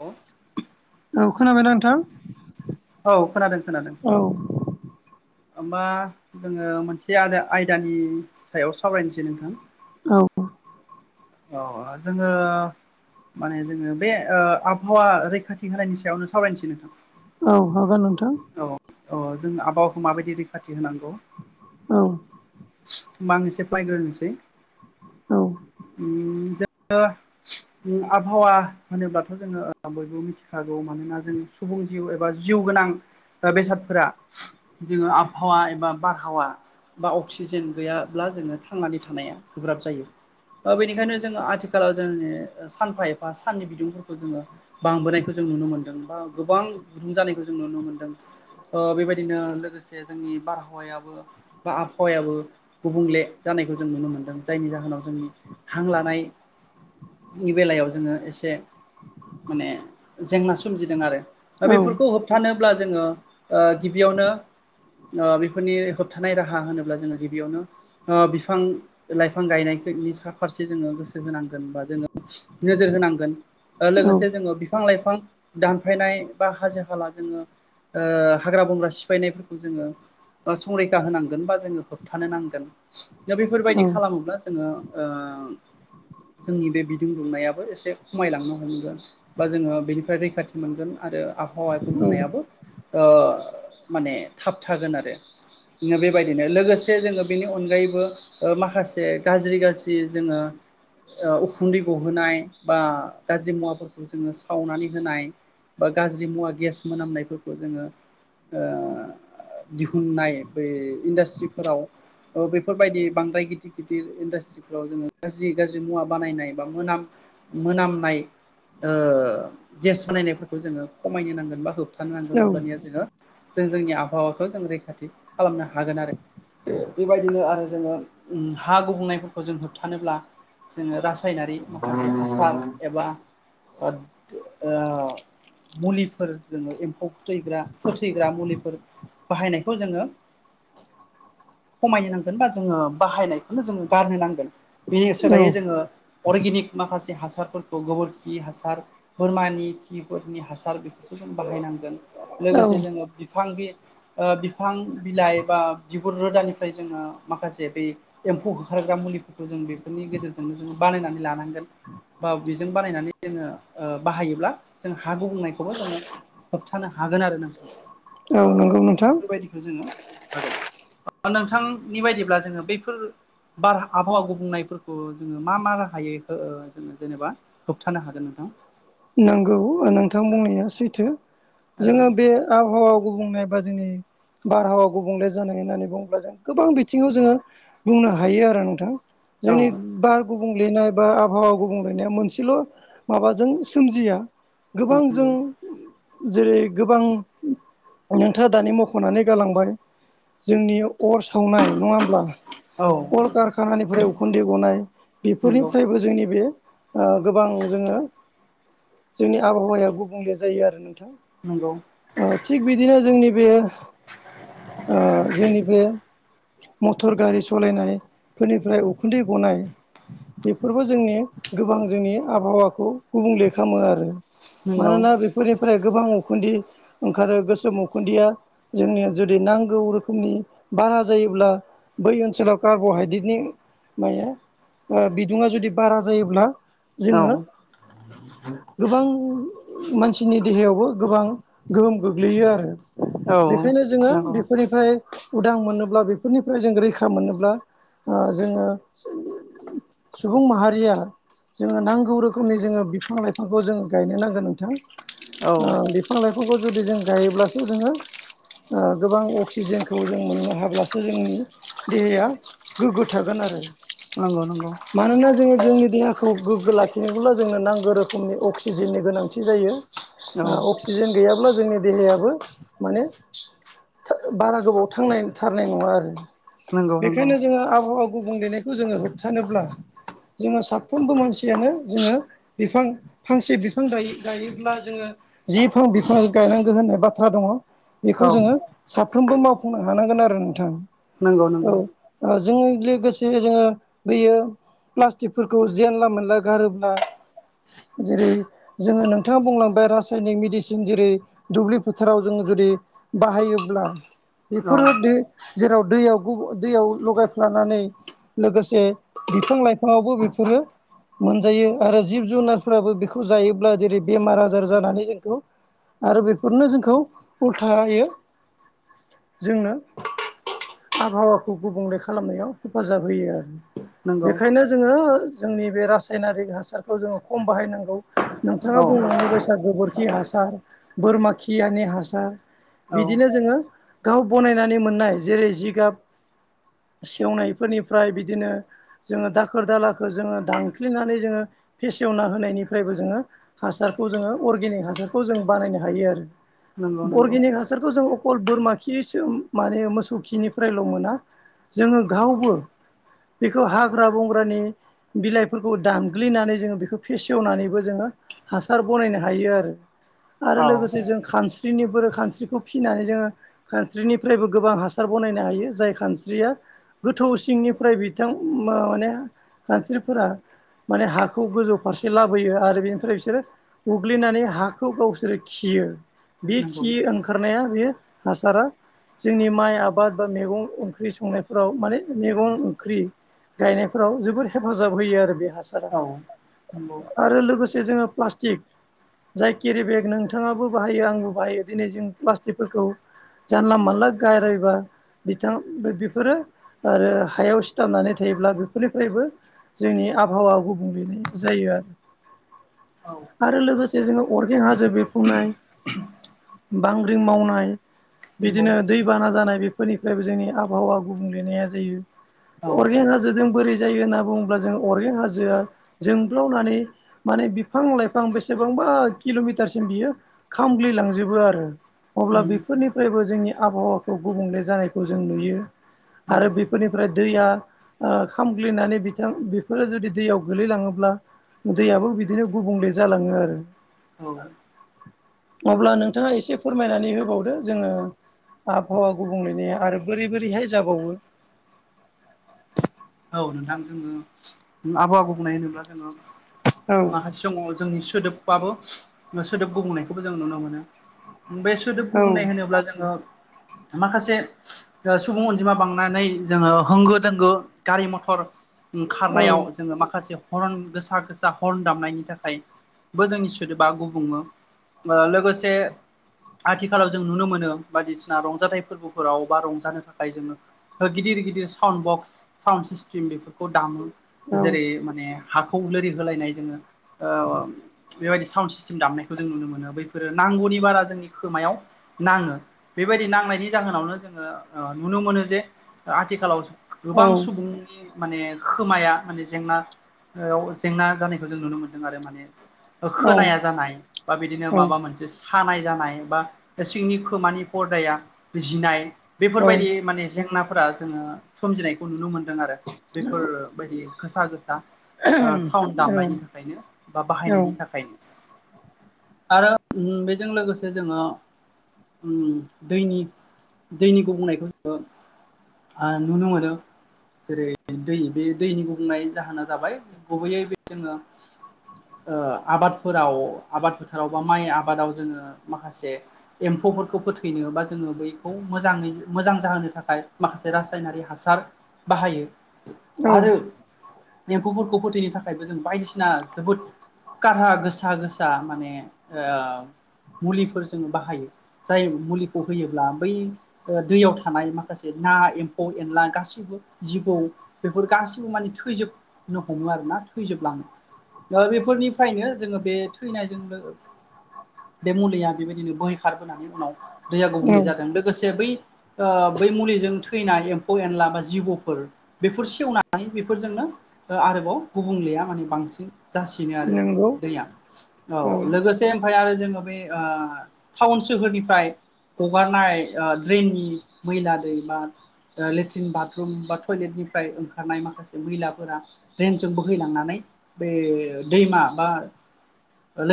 अ औ खोनाबाय नोंथां औ खोनादों खोनादों औ हबा जोङो मोनसे आयदानि सायाव सावरायनोसै नोंथां औ औ जोंङो माने जोंङो बे आबहावा रैखाथि होनायनि सायावनो सावरायनोसै नोंथां औ हागोन नोंथां औ औ जों आबहावाखौ माबायदि रैखाथि होनांगौ औ होमबा आं एसे फ्लायग्रोनोसै औ उम दख आबहावा होनोब्लाथ' जोङो बयबो मिथिखागौ मानोना जों सुबुं जिउ एबा जिउ गोनां बेसादफोरा जोङो आबहावा एबा बारहावा बा अक्सिजेन गैयाब्ला जोङो थांनानै थानाया गोब्राब जायो बेनिखायनो जोङो आथिखालाव जों सानफा एफा साननि बिदुंफोरखौ जोङो बांबोनायखौ जों नुनो मोन्दों बा गोबां गुदुं जानायखौ जों नुनो मोनदों बेबायदिनो लोगोसे जोंनि बारहावायाबो बा आबहावायाबो गुबुंले जानायखौ जों नुनो मोनदों जायनि जाहोनाव जोंनि हां लानाय नि बेलायाव जोङो एसे माने जेंना सोमजिदों आरो दा औ बेफोरखौ होबथानोब्ला जोङो गिबियावनो बेफोरनि होबथानाय राहा होनोब्ला जोङो गिबियावनो बिफां लाइफां गायनायनि स फारसे जो गोसो होनांगोन बा जोङो नोजोर होनांगोन लोगोसे जोङो बिफां लाइफां दानफायनाय बा हाजो हाला जोङो हाग्रा बंग्रा सिफायनायफोरखौ जोङो संरैखा होनांगोन बा जोङो होबथानो नांगोन दा बेफोरबायदि खालामोब्ला जोङो जोंनि बे बिदुं दुंनायाबो एसे खमायलांनो हमगोन बा जोङो बेनिफ्राय रैखाथि मोनगोन आरो आबहावा गुबनायाबो माने थाब थागोन आरो बेबायदिनो लोगोसे जोङो बेनि अनगायैबो माखासे गाज्रि गाज्रि जोङो उखुन्दै गहोनाय बा गाज्रि मुवाफोरखौ जोङो सावनानै होनाय बा गाज्रि मुवा गेस मोनामनायफोरखौ जोङो ओ दिहुननाय बे इन्डास्ट्रिफोराव औ बेफोरबायाददि बांद्राय गिदिर गिदिर इन्डास्ट्रि व जोङो गाज्रि गाज्रि मुवा बानायनाय बा मोनाम मोनामनाय गेस बानायनायफोरखौ जोङो खमायनो नांगोन बा होबथानो नांगोन अब्लानिया जोङो जों जोंनि आबहावाखौ जों रैखाथि खालामनो हागोन आरो बेबायदिनो आरो जोङो हा गुबुंनाय खौ जों होबथानोब्ला जोङो रासायनारि माखासे हासार एबा आ मुलिफोर जोङो एम्फौ फैथैग्रा फोथैग्रा मुलिफोर बाहायनायखौ जोङो खमाय नांगोन बा जोङो बाहायनायखौनो जोङो गारनो नांगोन बिनि औ सोलायै जोङो अर्गेनिक माखासे हासारफोरखौ गोबोरखि हासार बोरमानि खिफोरनि हासार बेफोरखौ जों बाहायनांगोन औ लोगोसे जोङो बिफां बिफां बिलाइ बा बिगुर रोदानिफ्राय जोङो माखासे बि एम्फौ ओंखारग्रा मुलिफोरखौ जों बेफोरनि गेजेरजोंनो जोङो बानायनानै लानांगोन बा बेजों बानायनानै जोङो बाहायोब्ला जों हा गुबुंनायखौबो जोङो होबथानो हागोन आरो नोंथां औ ओ नंगौ नोंथां बेफोरबायदिखौ जोङो हागोन नोंथांनि बायदिब्ला जोङो बैफोर बार आबहावा गुबनायफोरखौ जोङो मा मा राहायै जोङो जेनेबा होबथानो हागोन नोंथां नांगौ नोंथां बुंनाया सैथो जोङो औ बे आबहावा गुबुंनायबा जोंनि बारहावा गुबुंले जानाय होननानै बुङोब्ला जों गोबां बिथिङाव जोङो बुंनो हायो आरो नोंथां जोंनि औ बार गुबुंलेनाय बा आबहावा गुबुंलेनाया मोनसेल' माबाजों सोमजिया गोबां जों नंगौ जेरै गोबां नोंथाङा दानि मख'नानै गालांबाय जोंनि अर सावनाय नङा होमब्ला औ कलकारखानानिफ्राय उखुन्दै गनाय नंगौ बेफोरनिफ्रायबो जोंनि बे गोबां जोङो जोंनि आबहावाया गुबुंले जायो आरो नोंथां नंगौ थिग बिदिनो जोंनि बे जोंनि बे मटर गारि सालायनायफोरनिफ्राय उखुन्दै गनाय बेफोरबो जोंनि गोबां जोंनि आबहावाखौ गुबुंले खालामो आरो नंगौ मानोना बेफोरनिफ्राय गोबां उखुन्दै ओंखारो गोसोम उखुन्दैया जोंनिया जुदि नांगौ रोखोमनि बारा जायोब्ला बै ओनसोलाव कार्ब'हाइद्रेटनि माया बिदुङा जुदि बारा जायोब्ला औ जोङो गोबां मानसिनि देहायावबो गोबां गोहोम गोग्लैयो आरो औ बेखायनो जोङो नंगौ बेफोरनिफ्राय उदां मोनोब्ला बेफोरनिफ्राय जों रैखा मोनोब्ला जोङो सुबुं माहारिया जोङो नांगौ रोखोमनि जोङो बिफां लाइ फांखौ जों गायनो नांगोन औ नोंथां बिफां लाइफांखौ जुदि जों गायोब्लासो जोङो गोबां अक्सिजेनखौ जों मोननो हाब्लासो जोंनि देहाया गोग्गो थागोन आरो नंगौ नंगौ मानोना जोङो जोंनि देहाखौ गोग्गो लाखिनोब्ला जोंनो नांगौ रोखोमनि अक्सिजेननि गोनांथि जायो औ अक्सिजेन गैयाब्ला जोंनि देहायाबो माने बारा गोबाव थांनाय थारनाय नङा आरो नंगौ नंगौ बेखायनो जोङो आबहावा गुब बुंलेनाय खौ जोङो होबथानोब्ला जोङो साफ्रोमबो मानसियानो जोङो बिफां फांसे बिफां गायो गायोब्ला जोङो जि फां बिफां गायनांगौ होननाय बाथ्रा दङ बेखौ औ जोङो साफ्रोमबो मावफुंनो हानांगोन आरो नोंथां नंगौ नंगौ औ जोंनि लोगोसे जोङो बेयो प्लास्टिकफोरखौ जेनला मोनला गारोब्ला जैरै जोङो नोंथाङा बुंलांबाय रासायनिक मेडिसिन जेरै दुब्लि फोथाराव जोङो जुदि बाहायोब्ला बेफोरो औ दे जेराव दैयाव दैयाव लगायफ्लानानै लोगोसे बिफां लाइफाङावबो बेफोरो मोनजायो आरो जिब जुनार फ्राबो बेखौ जायोब्ला जेरै बेमार आजार जानानै जोंखौ आरो बेफोरनो जोंखौ उल्थायो जोंनो आबहावाखौ गुबुंले खालामनायाव हेफाजाब होयो आरो नंगौ बेखायनो जोङो जोंनि बे रासायनारिक हासारखौ जोङो खम बाहायनांगौ नोंथाङा औ बुंलांनाय बायसा गोबोरखि हासार बोरमा खियानि हासार औ बिदिनो जोङो गाव बनायनानै मोननाय जेरै जिगाब सेवनायफोरनिफ्राय बिदिनो जोङो दाखोर दालाखौ जोङो दानख्लिनानै जोङो फेसेवना होनायनिफ्रायबो जोङो हासारखौ जोङो अरगेनिक हासारखौ जों बानायनो हायो नंगौ आरो नंगौ अर्गेनिक हासारखौ जों अखल बोरमा खि सो माने मोसौ खिनिफ्रायल' मोना जोङो गावबो बेखौ हाग्रा बंग्रानि बिलाइफोरखौ दामग्लिनानै जोंङो बेखौ फेसेवनानैबो जोङो हासार बनायनो हायो आरो आरो औ लोगोसे जों खानस्रि स्रिनिफोर खानस्रिखौ फिनानै जोङो खानस्रिनिफ्रायबो गोबां हासार बनायनो हायो जाय खानस्रिया गोथौ सिंनिफ्राय बिथां मा-माने खानस्रिफोरा माने हाखौ खौ गोजौ फारसे लाबोयो आरो बेनिफ्राय बिसोरो उग्लिनानै हाखौ गावसोरो खियो। बे नंगौ खि ओंखारनाया बेयो हासारा जोंनि माइ आबाद बा मेगं ओंख्रि संनायफोराव माने मेगं ओंख्रि गायनायफोराव जोबोर हेफाजाब होयो आरो बे हासार औ नंगौ। आरो लोगोसे जोङो प्लास्टिक जाय केरि बेग नोंथाङाबो बाहायो आंबो बाहायो दिनै जों प्लास्टिकफोरखौ जानला मोनला गारैबा बिथां बेफोरो आरो हायाव सिथाबनानै थायोब्ला बेफोरनिफ्रायबो जोंनि आबहावा गुबुंलेनाय जायो आरो औ आरो लोगोसे जोङो अरगें हाजो बिरफुंनाय बांग्रिं मावनाय नंगौ बिदिनो दैबाना जानाय बेफोरनिफ्रायबो जोंनि आबहावा गुबुंलेनाया जायो। औ अरगें हाजोजों बोरै जायो होनना बुङोब्ला जों अरगें हाजोआ जोंब्लावनानै माने बिफां लाइफां बेसेबांबा किल'मिटारसिम बियो खामग्लिलांजोबो आरो अब्ला बेफोरनिफ्रायबो जोंनि आबहावाखौ गुबुंले जानायखौ जों नुयो। आरो नंगौ बेफोरनिफ्राय दैया ओ खामग्लिनानै बिथां बेफोरो जुदि दैयाव गोलैलाङोब्ला दैयाबो बिदिनो गुबुंले जालाङो आरो औ अब्ला नोंथाङा एसे फोरमायनानै होबावदो जोङो आबहावा गुबुंलेनाया आरो बोरै बोरैहाय जाबावो। औ नोंथां जोङो आबहावा गुबुंनाय होनोब्ला जोङो औ माखासे समाव जोंनि सोदोबबाबो सोदोब गुबुंनायखौबो जों नुनो मोनो बे सो सोदोब औ गुबुंनाय होनोब्ला जोङो माखासे सुबुं अनजिमा बांनानै जोङो होंगो दोंगो गारि मथर ओं खारनायाव औ जोङो माखासे हरन गोसा गोसा हर्न दामनायनि थाखायबो जोंनि सोदोबा गुबुङो। बा लोगोसे आथिखालाव जों नुनो मोनो बायदिसिना रंजाथाइ फोरबोफोराव बा रंजानो थाखाय जोङो गिदिर गिदिर साउन्ड बक्स साउन्ड सिस्टेम बेफोरखौ दामो औ जेरै माने हाखौ लोरि होलायनाय जोङो ओ बेबायदि साउन्ड सिस्टेम दामनायखौ जों नुनो मोनो बैफोरो नांगौनि बारा जोंनि खोमायाव नाङो बेबायदि नांनायनि जाहोनावनो जोङो नुनो मोनो जे आथिखालाव गोबां औ सुबुंनि माने खोमाया माने जेंना याव जेंना जानायखौ जों नुनो मोनदों आरो माने। ओ औ खोनाया जानाय बा बिदिनो माबा मोनसे खानाय जानाय बा सिंनि खोमानि फर्दाया जिनाय औ बेफोरबायदि माने जेंनाफोरा जोङो सोमजिनायखौ नुनो मोनदों आरो बेफोरबायदि गोसा गोसा साउन्ड औ दामनायनि थाखायनो बा औ बाहायनायनि थाखायनो। आरो बेजों लोगोसे जोङो उम दैनि दैनि गुबुंनायखौ जोङो आ नुनो मोनो। जेरै दै बे दैनि गुबुंनाय जाहोना जाबाय गुबैयै बे जोङो आबादफोराव आबाद फोथाराव बा माइ आबादाव जोङो माखासे एम्फौफोरखौ फोथैनो बा जोङो बैखौ मोजाङै मोजां जाहोनो थाखाय माखासे रासायनारि हासार बाहायो आरो एम्फौफोरखौ फोथैनो थाखायबो जों बायदिसिना जोबोद कारा गोसा गोसा माने ओ मुलिफोर जोङो बाहायो। जाय मुलिखौ होयोब्ला बै ओ दैयाव थानाय माखासे ना, एम्फौ एनला गासिबो जिबौ बेफोर गासैबो माने थैजोबनो हमो आरो ना थैजोबलाङो। दा बेफोरनिफ्रायनो जोङो बे थैनायजोंनो बे मुलिया बेबायदिनो बोहैखारबोनानै उनाव दैया औ गुबुंले जादों लोगोसे बै ओ बै मुलिजों थैनाय एम्फौ एनला बा जिबौ फोर बेफोर सेवनानै बेफोरजोंनो ओ आरोबाव गुबुंलेया माने बांसिन जासिनो आरो नंगौ दैया औ लोगोसे ओमफाय आरो जोङो बै ओ टाउन सोहोरनिफ्राय हगारनाय ओ ड्रेननि मैला दै बा लेट्रिन बाथरुम बा टयलेटनिफ्राय ओंखारनाय माखासे मैलाफोरा ड्रेनजों बोहैलांनानै बे दैमा बा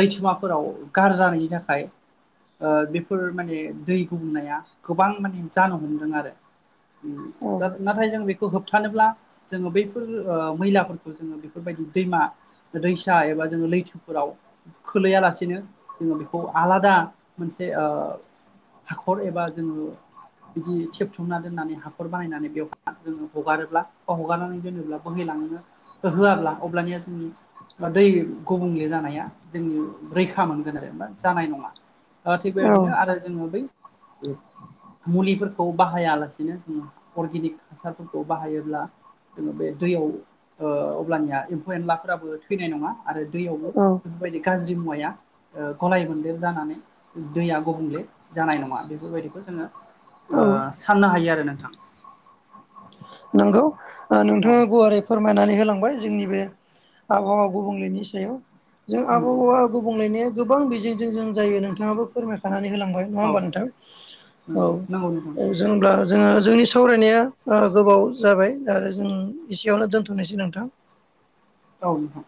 लैथोमाफोराव गारजाहैनो थाखाय ओ बेफोर माने दै गुबुंनाया गोबां माने जानो हमदों आरो। जादों। नाथाय जों बे खौ होबथानोब्ला, जोङो बैफोर ओ मैलाफोरखौ जोङो बेफोरबायदि दैमा दैसा एबा जोङो लैथोफोराव खोलैयालासेनो जोङो बेखौ आलादा मोनसे ओ हाखर एबा जोङो बिदि थेबथुमना दोननानै हाखर बानायनानै बेवहाय जोङो हगारोब्ला बा हगारनानै दोनोब्ला बोहैलांनो होआब्ला अब्लानिया जोंनि ओ दै गुबुंले जानाया ओ थिग औ बेबायदिनो आरो जोङो बै मुलिफोरखौ बाहायालासेनो जोङो अर्गेनिक हासार खौ बाहायोब्ला जोङो बे दैयाव ओ अब्लानिया एम्फौ एनलाफोराबो थैनाय नङा। आरो दैयावबो औ बेफोरबायदि गाज्रि मुवाया ओ गलाय बन्देर जानानै दैया गुबुंले जानाय नङा। बेफोरबायदिखौ जोङो ओ औ साननो हायो आरो नोंथां। नंगौ ओ औ नोंथाङा गुवारै फोरमायनानै होलांबाय जोंनि बे आबहावा गुबुंलेनि सायाव। जों नंगौ आबहावा गुबुंलेनाया गोबां बिजोंजों जों जायो नोंथाङाबो फोरमायखानानै होलांबाय। नङा औ होमबा नोंथां? औ। नंगौ नंगौ नोंथां होमब्ला जोङो जोंनि सावरायनाया ओ गोबाव जाबाय दा आरो जों एसेयावनो दोनथ'नोसै नोंथां। औ नोंथां।